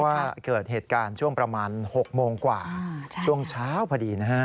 ว่าเกิดเหตุการณ์ช่วงประมาณ๖โมงกว่าช่วงเช้าพอดีนะฮะ